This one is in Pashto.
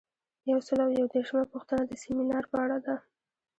یو سل او یو دیرشمه پوښتنه د سمینار په اړه ده.